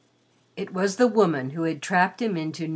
It was the woman who had trapped him into No.